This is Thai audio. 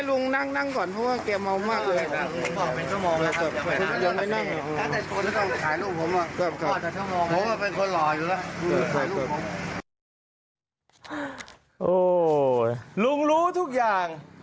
ลุงรู้ทุกอย่าง